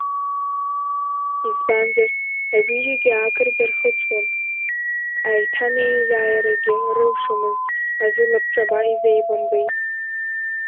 Избанзар, аҩыџьагьы акырӡа рхыҵуан, аиҭанеиааирагьы рылшомызт азы лабҿаба изеибамбеит.